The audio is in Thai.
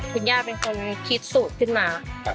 คุณย่าเป็นคนคิดสูตรขึ้นมา